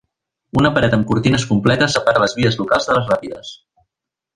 Una paret amb cortines completes separa les vies locals de les ràpides.